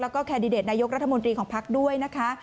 แล้วก็แคนดิเดตนายกรัฐมนตรีของพักด้วยนะคะ